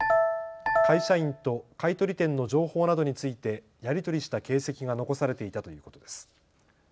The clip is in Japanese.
会社員と買取店の情報などについてやり取りした形跡が残されていたということです。